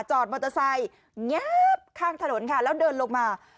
จอดมอเตอร์ไซต์คางถนนแล้วเดินลงมา